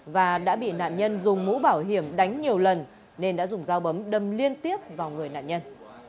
và đã bị nạn nhân dùng mũ bảo hiểm đánh nhiều lần nên đã dùng dao bấm đâm liên tiếp vào người nạn nhân